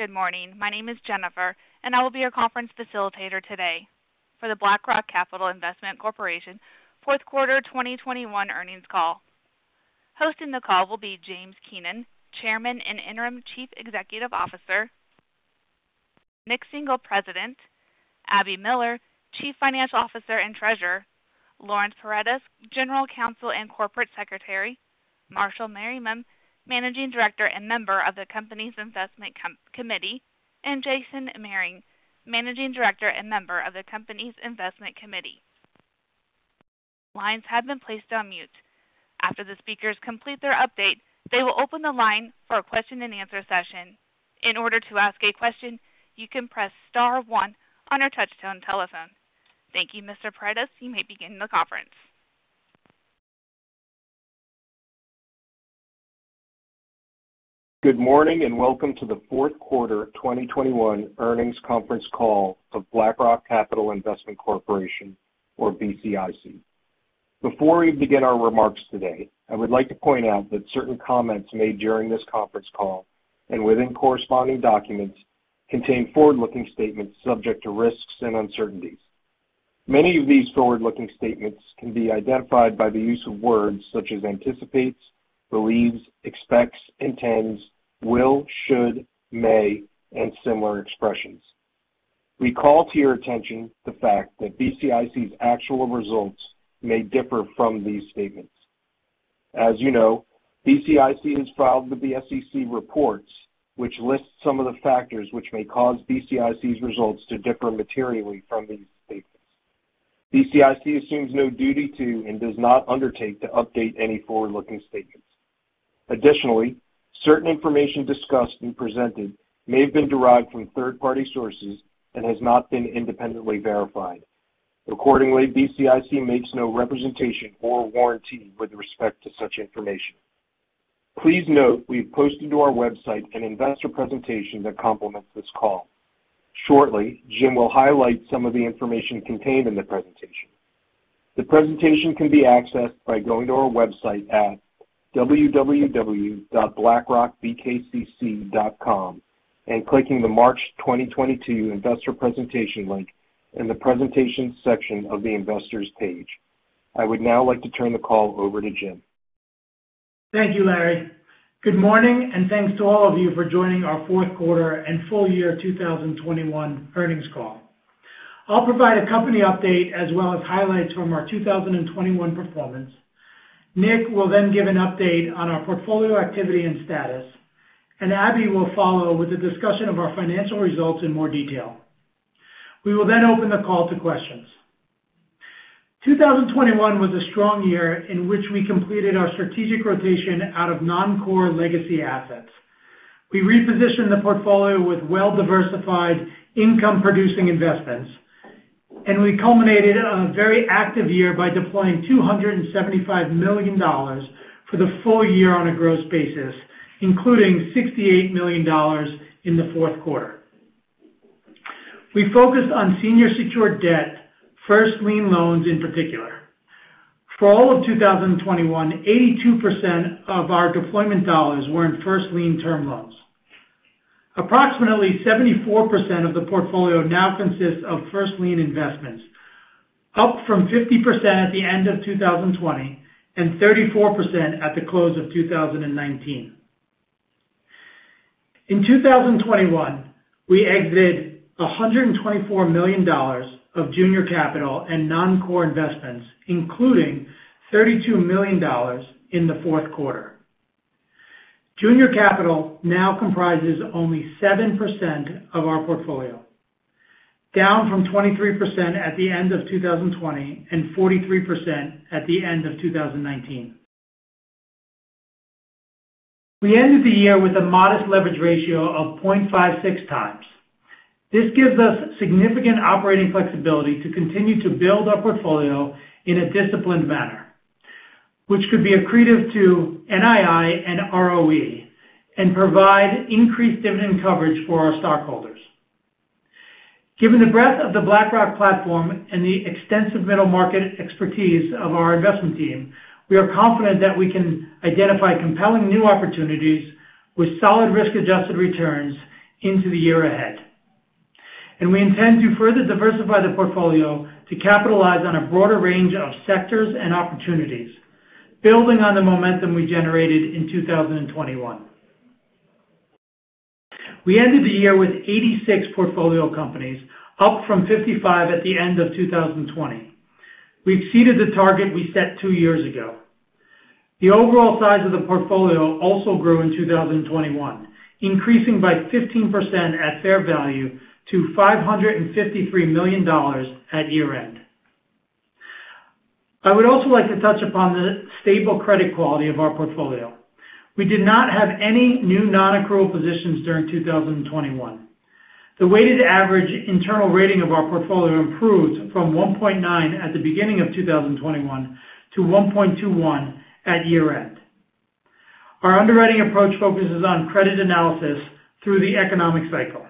Good morning. My name is Jennifer, and I will be your conference facilitator today for the BlackRock Capital Investment Corporation Fourth Quarter 2021 Earnings Call. Hosting the call will be James Keenan, Chairman and Interim Chief Executive Officer, Nik Singhal, President, Abby Miller, Chief Financial Officer and Treasurer, Laurence Paredes, General Counsel and Corporate Secretary, Marshall Merriman, Managing Director and member of the company's Investment Committee, and Jason Mehring, Managing Director and member of the company's Investment Committee. Lines have been placed on mute. After the speakers complete their update, they will open the line for a question-and-answer session. In order to ask a question, you can press star one on your touchtone telephone. Thank you, Mr. Paredes. You may begin the conference. Good morning, and welcome to the fourth quarter 2021 earnings conference call for BlackRock Capital Investment Corporation, or BCIC. Before we begin our remarks today, I would like to point out that certain comments made during this conference call and within corresponding documents contain forward-looking statements subject to risks and uncertainties. Many of these forward-looking statements can be identified by the use of words such as anticipates, believes, expects, intends, will, should, may, and similar expressions. We call to your attention the fact that BCIC's actual results may differ from these statements. As you know, BCIC has filed with the SEC reports, which lists some of the factors which may cause BCIC's results to differ materially from these statements. BCIC assumes no duty to and does not undertake to update any forward-looking statements. Additionally, certain information discussed and presented may have been derived from third-party sources and has not been independently verified. Accordingly, BCIC makes no representation or warranty with respect to such information. Please note we've posted to our website an investor presentation that complements this call. Shortly, Jim will highlight some of the information contained in the presentation. The presentation can be accessed by going to our website at www.blackrockbkcc.com and clicking the March 2022 investor presentation link in the Presentation section of the Investors page. I would now like to turn the call over to Jim. Thank you, Larry. Good morning, and thanks to all of you for joining our fourth quarter and full year 2021 earnings call. I'll provide a company update as well as highlights from our 2021 performance. Nik will then give an update on our portfolio activity and status, and Abby will follow with a discussion of our financial results in more detail. We will then open the call to questions. 2021 was a strong year in which we completed our strategic rotation out of non-core legacy assets. We repositioned the portfolio with well-diversified income-producing investments, and we culminated a very active year by deploying $275 million for the full year on a gross basis, including $68 million in the fourth quarter. We focused on senior secured debt, first lien loans in particular. For all of 2021, 82% of our deployment dollars were in first lien term loans. Approximately 74% of the portfolio now consists of first lien investments, up from 50% at the end of 2020 and 34% at the close of 2019. In 2021, we exited $124 million of junior capital and non-core investments, including $32 million in the fourth quarter. Junior capital now comprises only 7% of our portfolio, down from 23% at the end of 2020 and 43% at the end of 2019. We ended the year with a modest leverage ratio of 0.56x. This gives us significant operating flexibility to continue to build our portfolio in a disciplined manner, which could be accretive to NII and ROE and provide increased dividend coverage for our stockholders. Given the breadth of the BlackRock platform and the extensive middle market expertise of our investment team, we are confident that we can identify compelling new opportunities with solid risk-adjusted returns into the year ahead, and we intend to further diversify the portfolio to capitalize on a broader range of sectors and opportunities, building on the momentum we generated in 2021. We ended the year with 86 portfolio companies, up from 55 at the end of 2020. We've exceeded the target we set two years ago. The overall size of the portfolio also grew in 2021, increasing by 15% at fair value to $553 million at year-end. I would also like to touch upon the stable credit quality of our portfolio. We did not have any new non-accrual positions during 2021. The weighted average internal rating of our portfolio improved from 1.9 at the beginning of 2021 to 1.21 at year-end. Our underwriting approach focuses on credit analysis through the economic cycle.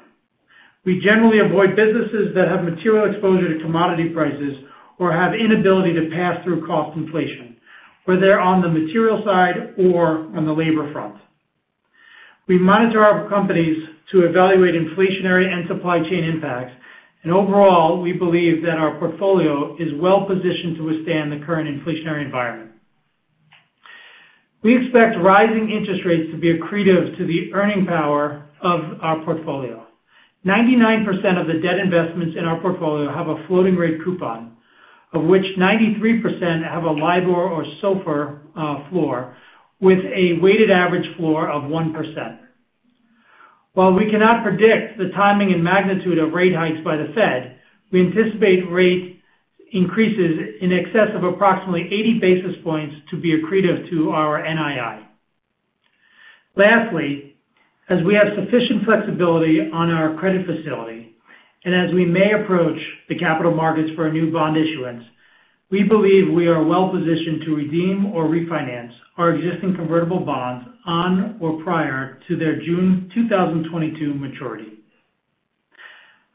We generally avoid businesses that have material exposure to commodity prices or have inability to pass through cost inflation, whether on the material side or on the labor front. We monitor our companies to evaluate inflationary and supply chain impacts, and overall, we believe that our portfolio is well-positioned to withstand the current inflationary environment. We expect rising interest rates to be accretive to the earning power of our portfolio. 99% of the debt investments in our portfolio have a floating rate coupon, of which 93% have a LIBOR or SOFR floor, with a weighted average floor of 1%. While we cannot predict the timing and magnitude of rate hikes by the Fed, we anticipate rate increases in excess of approximately 80 basis points to be accretive to our NII. Lastly, as we have sufficient flexibility on our credit facility, and as we may approach the capital markets for a new bond issuance, we believe we are well-positioned to redeem or refinance our existing convertible bonds on or prior to their June 2022 maturity.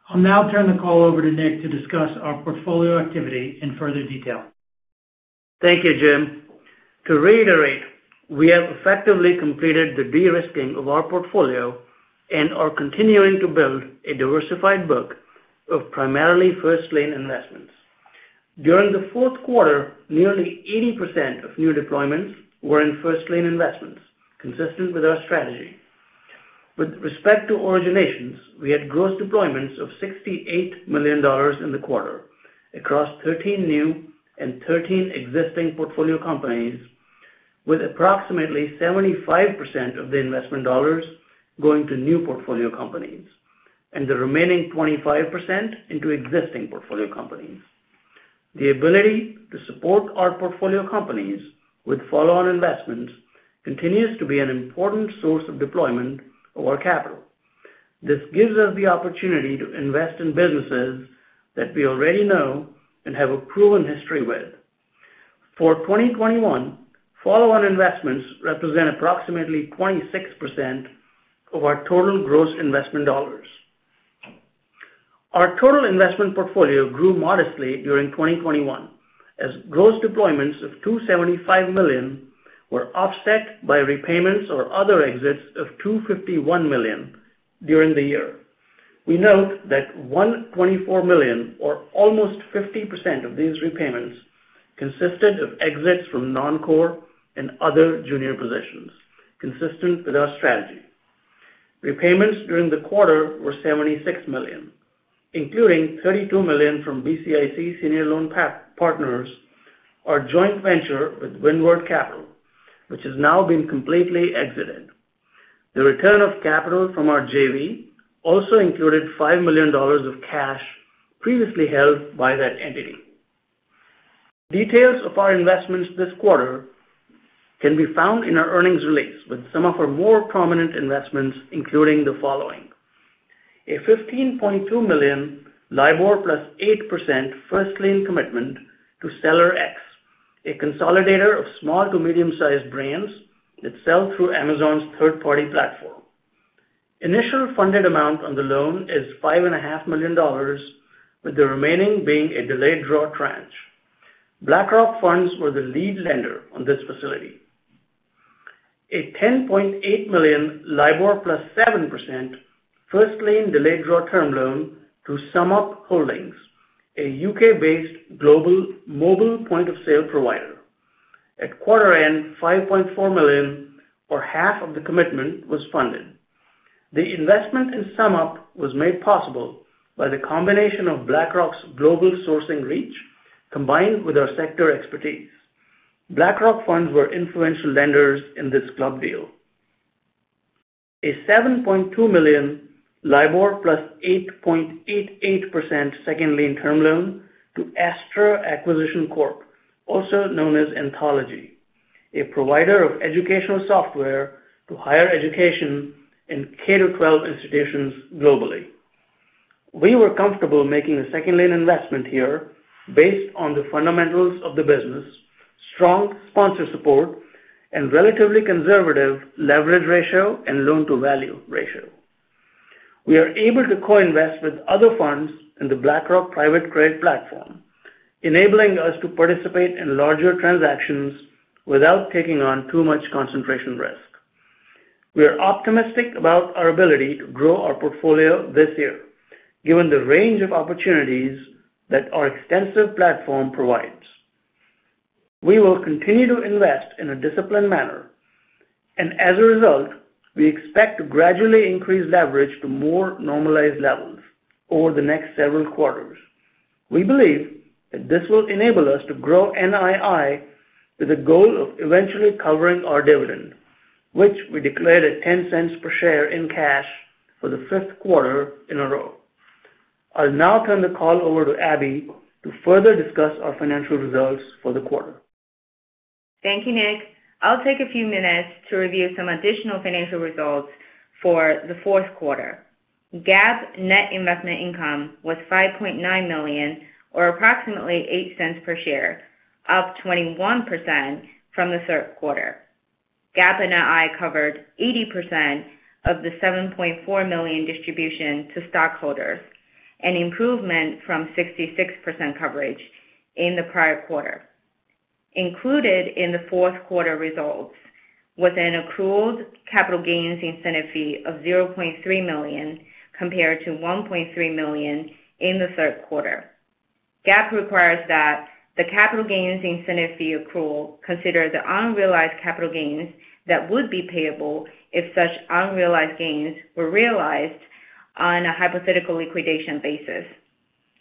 I'll now turn the call over to Nik to discuss our portfolio activity in further detail. Thank you, Jim. To reiterate, we have effectively completed the de-risking of our portfolio and are continuing to build a diversified book of primarily first lien investments. During the fourth quarter, nearly 80% of new deployments were in first lien investments, consistent with our strategy. With respect to originations, we had gross deployments of $68 million in the quarter across 13 new and 13 existing portfolio companies, with approximately 75% of the investment dollars going to new portfolio companies, and the remaining 25% into existing portfolio companies. The ability to support our portfolio companies with follow-on investments continues to be an important source of deployment of our capital. This gives us the opportunity to invest in businesses that we already know and have a proven history with. For 2021, follow-on investments represent approximately 26% of our total gross investment dollars. Our total investment portfolio grew modestly during 2021, as gross deployments of $275 million were offset by repayments or other exits of $251 million during the year. We note that $124 million, or almost 50% of these repayments, consisted of exits from non-core and other junior positions, consistent with our strategy. Repayments during the quarter were $76 million, including $32 million from BCIC Senior Loan Partners, our joint venture with Windward Capital, which has now been completely exited. The return of capital from our JV also included $5 million of cash previously held by that entity. Details of our investments this quarter can be found in our earnings release, with some of our more prominent investments including the following. A $15.2 million LIBOR + 8% first lien commitment to SellerX, a consolidator of small to medium-sized brands that sell through Amazon's third-party platform. Initial funded amount on the loan is $5.5 million, with the remaining being a delayed draw tranche. BlackRock Funds were the lead lender on this facility. A $10.8 million LIBOR + 7% first lien delayed draw term loan to SumUp Holdings, a U.K.-based global mobile point of sale provider. At quarter end, $5.4 million, or half of the commitment, was funded. The investment in SumUp was made possible by the combination of BlackRock's global sourcing reach combined with our sector expertise. BlackRock Funds were influential lenders in this club deal. A $7.2 million LIBOR + 8.88% second lien term loan to Astra Acquisition Corp., also known as Anthology, a provider of educational software to higher education and K-12 institutions globally. We were comfortable making a second lien investment here based on the fundamentals of the business, strong sponsor support, and relatively conservative leverage ratio and loan-to-value ratio. We are able to co-invest with other funds in the BlackRock Private Credit platform, enabling us to participate in larger transactions without taking on too much concentration risk. We are optimistic about our ability to grow our portfolio this year, given the range of opportunities that our extensive platform provides. We will continue to invest in a disciplined manner, and as a result, we expect to gradually increase leverage to more normalized levels over the next several quarters. We believe that this will enable us to grow NII with a goal of eventually covering our dividend, which we declared at $0.10 per share in cash for the fifth quarter in a row. I'll now turn the call over to Abby to further discuss our financial results for the quarter. Thank you, Nik. I'll take a few minutes to review some additional financial results for the fourth quarter. GAAP net investment income was $5.9 million, or approximately $0.08 per share, up 21% from the third quarter. GAAP NII covered 80% of the $7.4 million distribution to stockholders, an improvement from 66% coverage in the prior quarter. Included in the fourth quarter results was an accrued capital gains incentive fee of $0.3 million compared to $1.3 million in the third quarter. GAAP requires that the capital gains incentive fee accrual consider the unrealized capital gains that would be payable if such unrealized gains were realized on a hypothetical liquidation basis.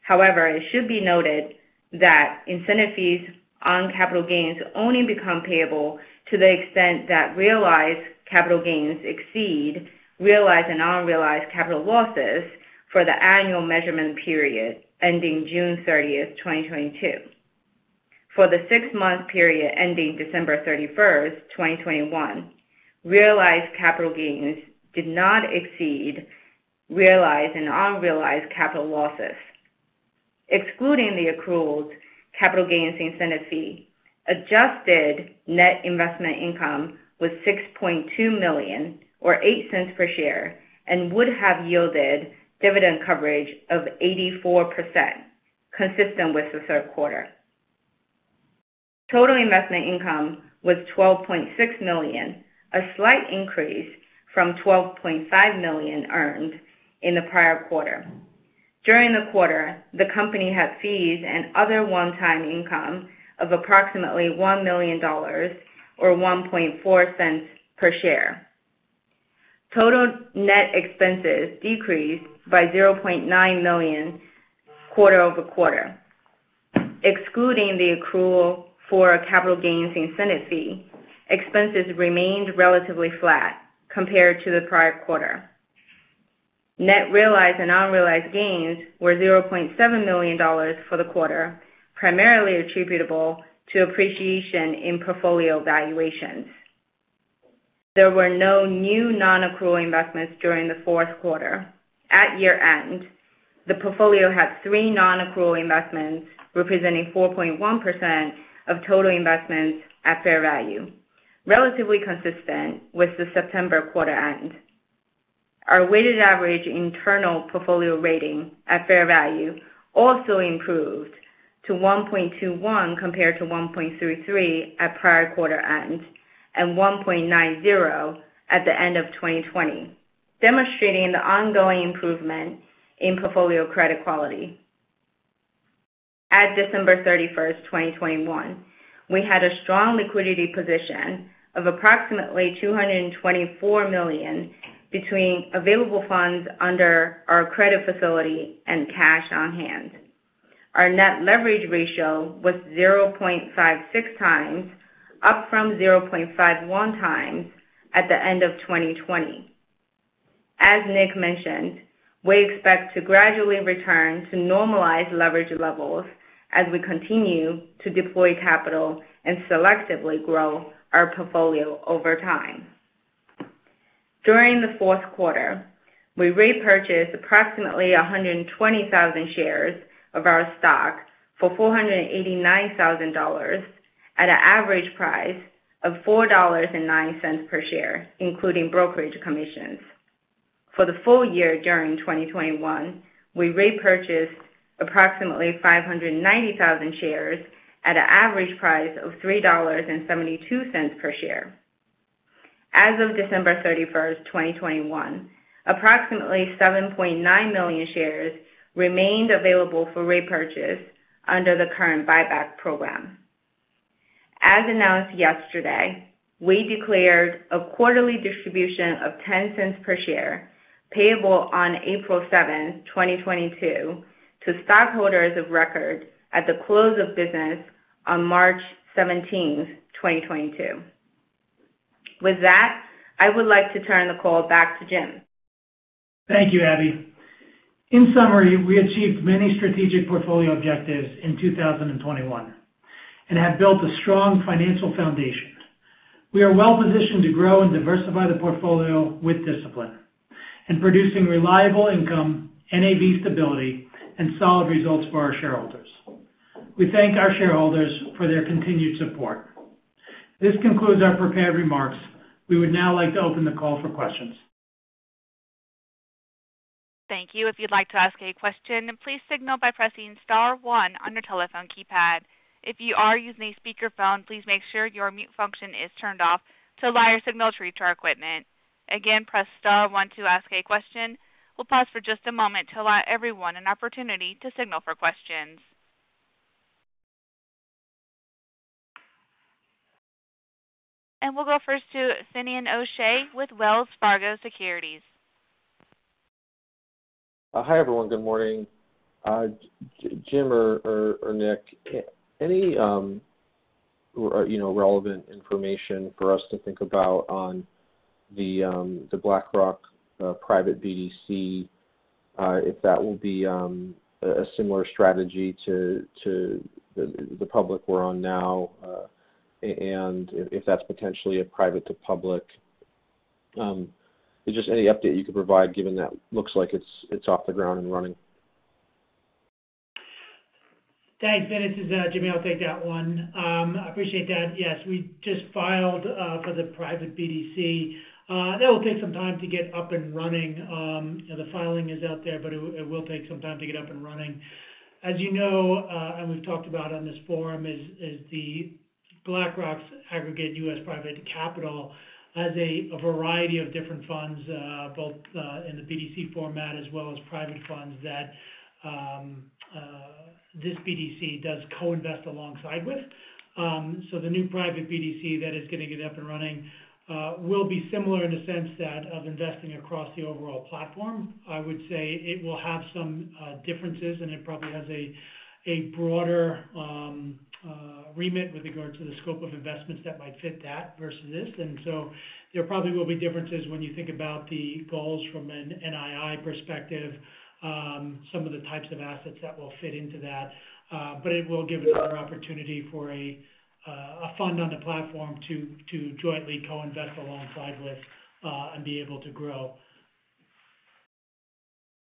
However, it should be noted that incentive fees on capital gains only become payable to the extent that realized capital gains exceed realized and unrealized capital losses for the annual measurement period ending June 30th, 2022. For the six-month period ending December 31st, 2021, realized capital gains did not exceed realized and unrealized capital losses. Excluding the accrued capital gains incentive fee, adjusted net investment income was $6.2 million or $0.08 per share and would have yielded dividend coverage of 84%, consistent with the third quarter. Total investment income was $12.6 million, a slight increase from $12.5 million earned in the prior quarter. During the quarter, the company had fees and other one-time income of approximately $1 million or $0.014 per share. Total net expenses decreased by $0.9 million quarter-over-quarter. Excluding the accrual for a capital gains incentive fee, expenses remained relatively flat compared to the prior quarter. Net realized and unrealized gains were $0.7 million for the quarter, primarily attributable to appreciation in portfolio valuations. There were no new non-accrual investments during the fourth quarter. At year-end, the portfolio had three non-accrual investments, representing 4.1% of total investments at fair value, relatively consistent with the September quarter end. Our weighted average internal portfolio rating at fair value also improved to 1.21 compared to 1.33 at prior quarter end and 1.90 at the end of 2020, demonstrating the ongoing improvement in portfolio credit quality. At December 31st, 2021, we had a strong liquidity position of approximately $224 million between available funds under our credit facility and cash on hand. Our net leverage ratio was 0.56x, up from 0.51x at the end of 2020. As Nik mentioned, we expect to gradually return to normalized leverage levels as we continue to deploy capital and selectively grow our portfolio over time. During the fourth quarter, we repurchased approximately 120,000 shares of our stock for $489,000 at an average price of $4.09 per share, including brokerage commissions. For the full year during 2021, we repurchased approximately 590,000 shares at an average price of $3.72 per share. As of December 31st, 2021, approximately 7.9 million shares remained available for repurchase under the current buyback program. As announced yesterday, we declared a quarterly distribution of $0.10 per share, payable on April 7, 2022, to stockholders of record at the close of business on March 17th, 2022. With that, I would like to turn the call back to Jim. Thank you, Abby. In summary, we achieved many strategic portfolio objectives in 2021 and have built a strong financial foundation. We are well-positioned to grow and diversify the portfolio with discipline and producing reliable income, NAV stability, and solid results for our shareholders. We thank our shareholders for their continued support. This concludes our prepared remarks. We would now like to open the call for questions. Thank you. If you'd like to ask a question, please signal by pressing star one on your telephone keypad. If you are using a speakerphone, please make sure your mute function is turned off to allow your signal to reach our equipment. Again, press star one to ask a question. We'll pause for just a moment to allow everyone an opportunity to signal for questions. We'll go first to Finian O'Shea with Wells Fargo Securities. Hi, everyone. Good morning. Jim or Nik, any you know relevant information for us to think about on the BlackRock private BDC, if that will be a similar strategy to the public we're on now, and if that's potentially a private to public. Just any update you could provide given that it looks like it's off the ground and running. Thanks, Finn. This is James. I'll take that one. I appreciate that. Yes, we just filed for the private BDC. That will take some time to get up and running. You know, the filing is out there, but it will take some time to get up and running. As you know, and we've talked about on this forum, is BlackRock's aggregate U.S. private capital has a variety of different funds, both in the BDC format as well as private funds that this BDC does co-invest alongside with. The new private BDC that is gonna get up and running will be similar in the sense that of investing across the overall platform. I would say it will have some differences, and it probably has a broader remit with regard to the scope of investments that might fit that versus this. There probably will be differences when you think about the goals from an NII perspective, some of the types of assets that will fit into that. But it will give another opportunity for a fund on the platform to jointly co-invest alongside with, and be able to grow.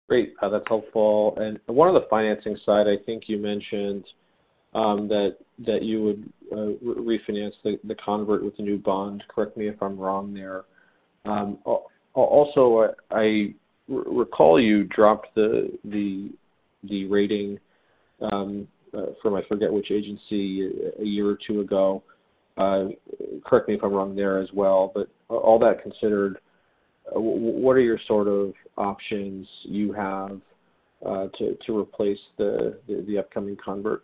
Great. That's helpful. One other financing side, I think you mentioned that you would refinance the convert with the new bond. Correct me if I'm wrong there. Also, I recall you dropped the rating from I forget which agency a year or two ago. Correct me if I'm wrong there as well. All that considered, what are your sort of options you have to replace the upcoming convert?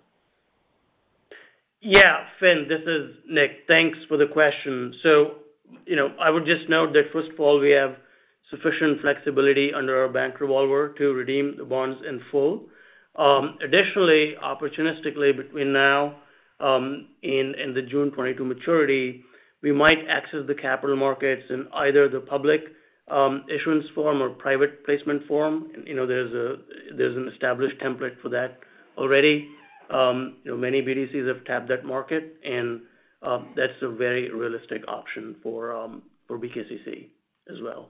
Yeah. Finn, this is Nik. Thanks for the question. You know, I would just note that first of all, we have sufficient flexibility under our bank revolver to redeem the bonds in full. Additionally, opportunistically between now and the June 2022 maturity, we might access the capital markets in either the public institutional form or private placement form. You know, there's an established template for that already. You know, many BDCs have tapped that market, and that's a very realistic option for BKCC as well.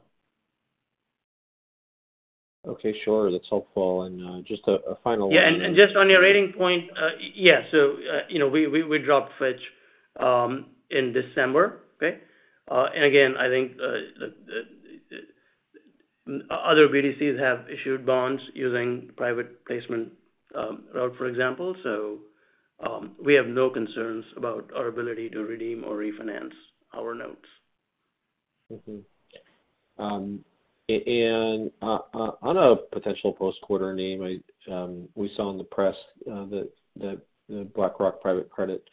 Okay, sure. That's helpful. Just a final one- Yeah. Just on your rating point, yeah. You know, we dropped Fitch in December. Okay? Again, I think the other BDCs have issued bonds using private placement route, for example. We have no concerns about our ability to redeem or refinance our notes. On a potential post-quarter name, we saw in the press that BlackRock Private Credit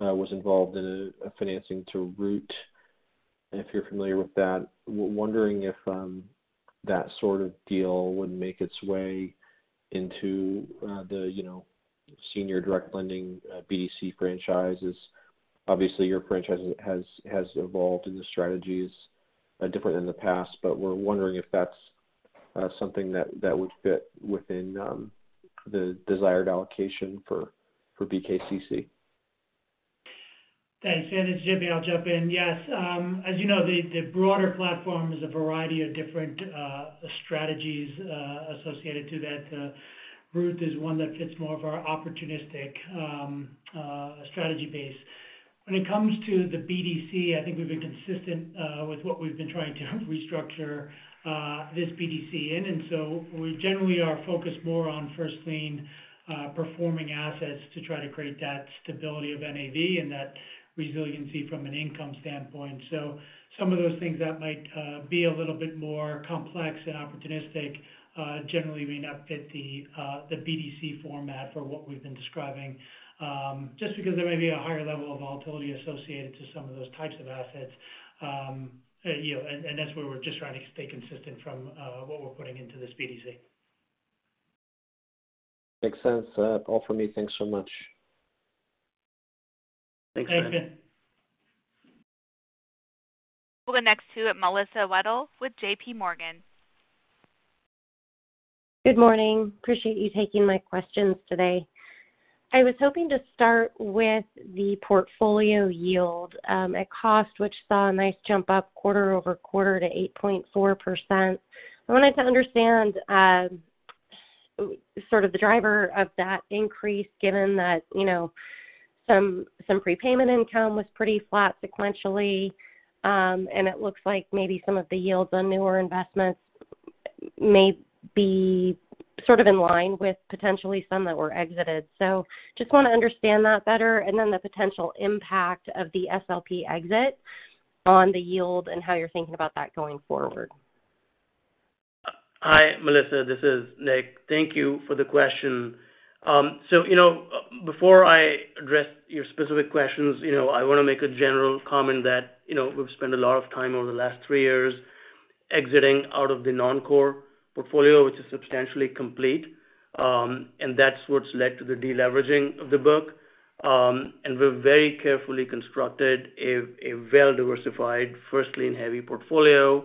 was involved in a financing to Root, if you're familiar with that. Wondering if that sort of deal would make its way into the, you know, senior direct lending BDC franchises. Obviously, your franchise has evolved, and the strategy is different than the past. We're wondering if that's something that would fit within the desired allocation for BKCC. Thanks. Finn, it's James. I'll jump in. Yes. As you know, the broader platform is a variety of different strategies associated to that. Root is one that fits more of our opportunistic strategy base. When it comes to the BDC, I think we've been consistent with what we've been trying to restructure this BDC in. We generally are focused more on first lien performing assets to try to create that stability of NAV and that resiliency from an income standpoint. Some of those things that might be a little bit more complex and opportunistic generally may not fit the BDC format for what we've been describing just because there may be a higher level of volatility associated to some of those types of assets. You know, that's where we're just trying to stay consistent from what we're putting into this BDC. Makes sense. All for me. Thanks so much. Thanks, Finn. Thanks, Finn. We'll go next to Melissa Wedel with JPMorgan. Good morning. Appreciate you taking my questions today. I was hoping to start with the portfolio yield at cost, which saw a nice jump up quarter-over-quarter to 8.4%. I wanted to understand sort of the driver of that increase, given that, you know, some prepayment income was pretty flat sequentially, and it looks like maybe some of the yields on newer investments may be sort of in line with potentially some that were exited. Just wanna understand that better, and then the potential impact of the SLP exit on the yield and how you're thinking about that going forward. Hi, Melissa. This is Nik. Thank you for the question. You know, before I address your specific questions, you know, I wanna make a general comment that, you know, we've spent a lot of time over the last three years exiting out of the non-core portfolio, which is substantially complete. That's what's led to the deleveraging of the book. We've very carefully constructed a well-diversified first lien heavy portfolio.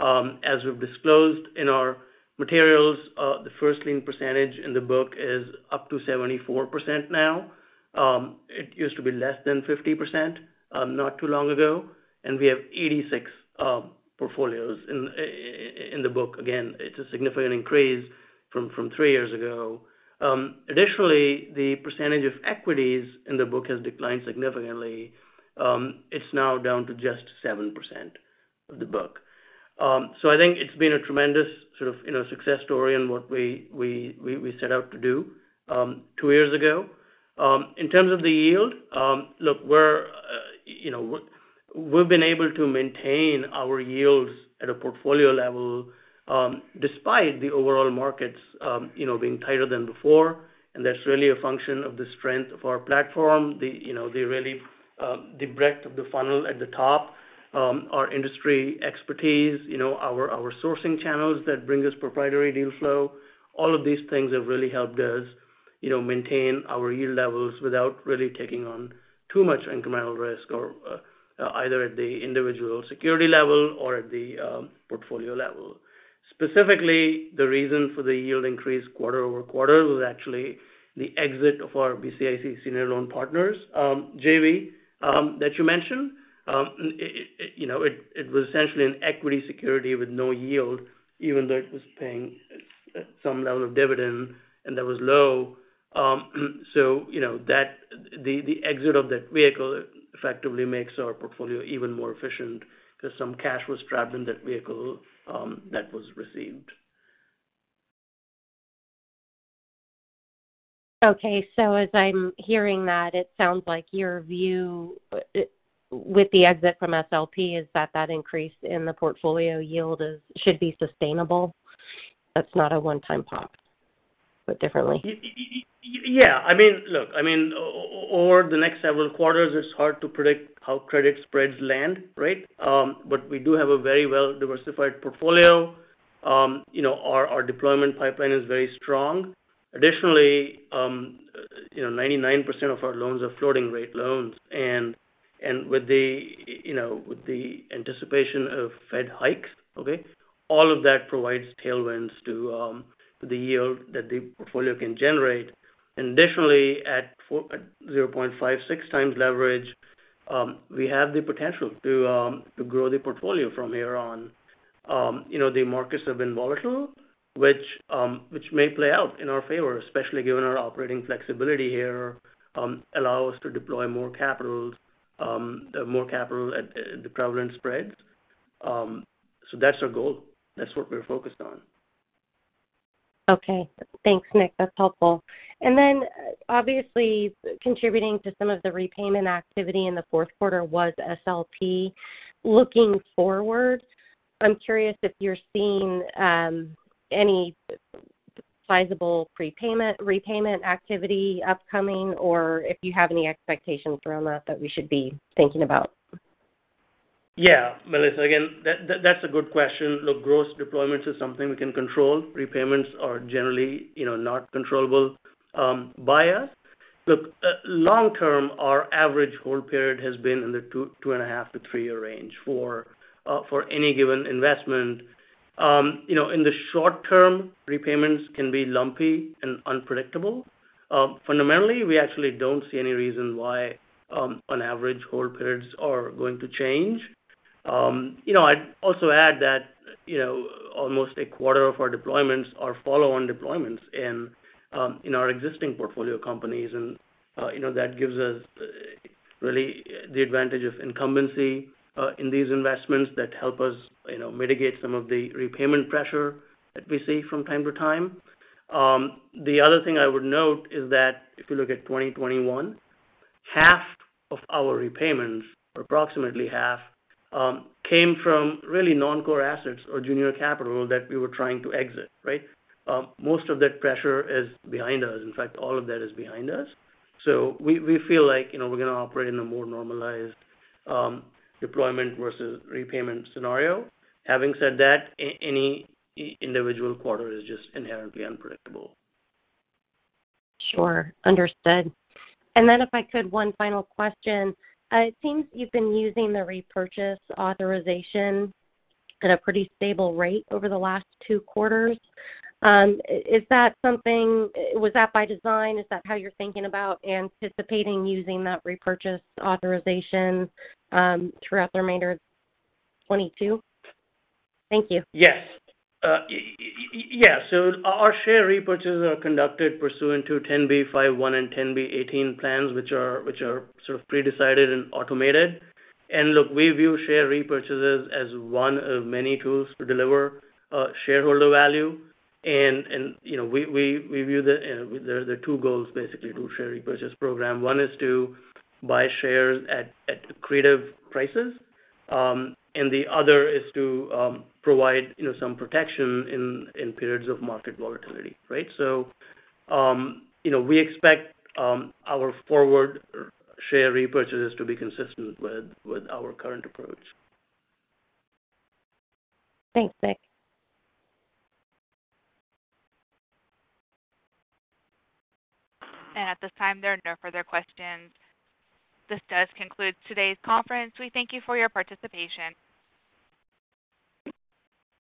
As we've disclosed in our materials, the first lien percentage in the book is up to 74% now. It used to be less than 50%, not too long ago, and we have 86 portfolios in the book. Again, it's a significant increase from three years ago. Additionally, the percentage of equities in the book has declined significantly. It's now down to just 7% of the book. I think it's been a tremendous sort of, you know, success story in what we set out to do, two years ago. In terms of the yield, look, we're, you know. We've been able to maintain our yields at a portfolio level, despite the overall markets, you know, being tighter than before. That's really a function of the strength of our platform. The, you know, the really, the breadth of the funnel at the top, our industry expertise, you know, our sourcing channels that bring us proprietary deal flow. All of these things have really helped us, you know, maintain our yield levels without really taking on too much incremental risk or either at the individual security level or at the portfolio level. Specifically, the reason for the yield increase quarter-over-quarter was actually the exit of our BCIC Senior Loan Partners JV that you mentioned. It you know it was essentially an equity security with no yield, even though it was paying some level of dividend, and that was low. You know, the exit of that vehicle effectively makes our portfolio even more efficient because some cash was trapped in that vehicle that was received. Okay. As I'm hearing that, it sounds like your view with the exit from SLP is that increase in the portfolio yield is should be sustainable. That's not a one-time pop, but differently. Yeah. I mean, look, I mean, over the next several quarters, it's hard to predict how credit spreads land, right? But we do have a very well-diversified portfolio. You know, our deployment pipeline is very strong. Additionally, you know, 99% of our loans are floating-rate loans. And with the anticipation of Fed hikes, okay, all of that provides tailwinds to the yield that the portfolio can generate. Additionally, at 0.56x leverage, we have the potential to grow the portfolio from here on. You know, the markets have been volatile, which may play out in our favor, especially given our operating flexibility here, allow us to deploy more capital at the prevalent spreads. So that's our goal. That's what we're focused on. Okay. Thanks, Nik. That's helpful. Obviously contributing to some of the repayment activity in the fourth quarter was SLP. Looking forward, I'm curious if you're seeing any sizable repayment activity upcoming or if you have any expectations around that we should be thinking about. Yeah. Melissa, again, that's a good question. Look, gross deployments is something we can control. Repayments are generally, you know, not controllable by us. Look, long term, our average hold period has been in the two and half to three year range for any given investment. You know, in the short term, repayments can be lumpy and unpredictable. Fundamentally, we actually don't see any reason why, on average, hold periods are going to change. You know, I'd also add that, you know, almost a quarter of our deployments are follow-on deployments in our existing portfolio companies. You know, that gives us really the advantage of incumbency in these investments that help us, you know, mitigate some of the repayment pressure that we see from time to time. The other thing I would note is that if you look at 2021, half of our repayments, approximately half, came from really non-core assets or junior capital that we were trying to exit, right? Most of that pressure is behind us. In fact, all of that is behind us. So we feel like, you know, we're gonna operate in a more normalized, deployment versus repayment scenario. Having said that, any individual quarter is just inherently unpredictable. Sure. Understood. If I could, one final question. It seems you've been using the repurchase authorization at a pretty stable rate over the last two quarters. Is that something? Was that by design? Is that how you're thinking about anticipating using that repurchase authorization, throughout the remainder of 2022? Thank you. Yes. Our share repurchases are conducted pursuant to 10b5-1 and 10b-18 plans, which are sort of pre-decided and automated. Look, we view share repurchases as one of many tools to deliver shareholder value. You know, we view the two goals, basically, through share repurchase program. One is to buy shares at attractive prices, and the other is to provide you know, some protection in periods of market volatility, right? You know, we expect our forward share repurchases to be consistent with our current approach. Thanks, Nik. At this time, there are no further questions. This does conclude today's conference. We thank you for your participation.